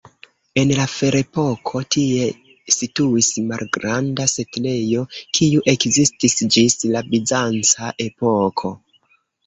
En la Ferepoko tie situis malgranda setlejo, kiu ekzistis ĝis la bizanca epoko.